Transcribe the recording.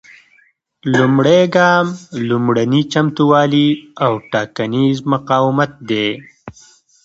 لومړی ګام لومړني چمتووالي او ټاکنیز مقاومت دی.